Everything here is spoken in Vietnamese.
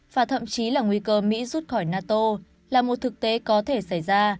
và thậm chí là nguy cơ mỹ rút khỏi nato là một thực tế có thể xảy ra